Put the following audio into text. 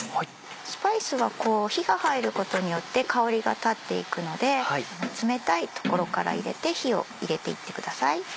スパイスは火が入ることによって香りが立っていくので冷たい所から入れて火を入れていってください。